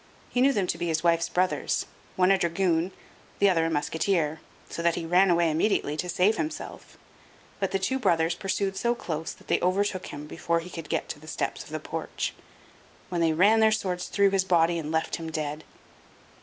He knew them to be his wife's brothers, one a dragoon, the other a musketeer, so that he ran away immediately to save himself; but the two brothers pursued so close that they overtook him before he could get to the steps of the porch, when they ran their swords through his body and left him dead.